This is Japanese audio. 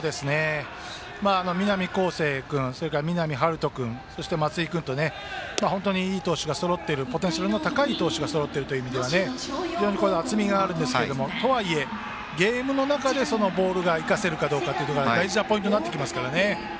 南恒誠君そして南陽人君そして松井君と本当にいい投手がそろっているポテンシャルの高い投手がそろっているという意味では非常に厚みがありますがとはいえ、ゲームの中でそのボールが生かせるかが大事なポイントになってきますね。